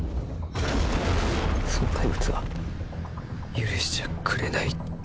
その怪物は許しちゃくれない。